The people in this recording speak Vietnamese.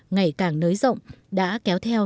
ngày càng nới rộng đã kéo theo